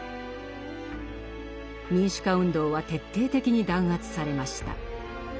民主化運動は徹底的に弾圧されました。